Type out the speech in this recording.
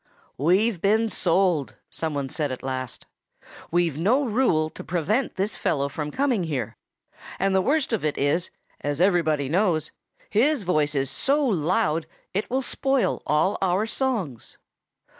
"We've been sold," some one said at last. "We've no rule to prevent this fellow from coming here. And the worst of it is, as everybody knows, his voice is so loud it will spoil all our songs."